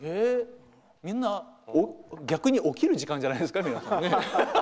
みんな逆に起きる時間じゃないですか。